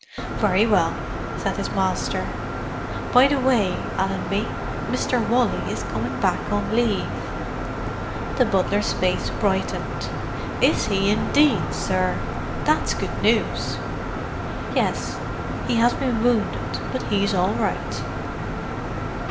"Very well," said his master. "By the way, Allenby, Mr. Wally is coming back on leave." The butler's face brightened. "Is he indeed, sir! That's good news." "Yes—he has been wounded, but he's all right."